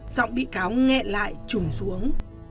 giọng bi cáo nghe lại trùng xuống